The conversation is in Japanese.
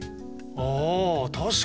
あ確かに！